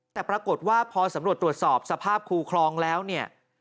แต่ปรากฏว่าพอสำรวจตรวจสอบสภาพคูคลองแล้วเนี่ย